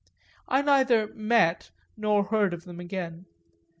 I neither "met" them nor heard of them again.